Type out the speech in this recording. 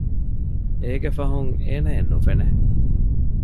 އޭގެ ފަހުން އޭނައެއް ނުފެނެ